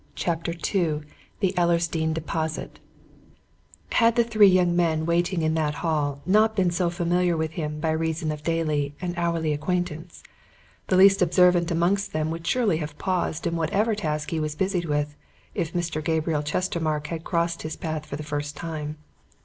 CHAPTER II THE ELLERSDEANE DEPOSIT Had the three young men waiting in that hall not been so familiar with him by reason of daily and hourly acquaintance, the least observant amongst them would surely have paused in whatever task he was busied with, if Mr. Gabriel Chestermarke had crossed his path for the first time.